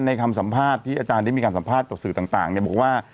คำสัมภาษณ์ที่อาจารย์ได้มีการสัมภาษณ์ต่อสื่อต่างบอกว่า